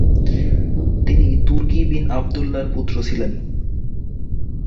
তিনি Turki bin আবদুল্লাহর পুত্র ছিলে।